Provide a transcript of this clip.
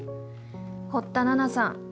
堀田奈々さん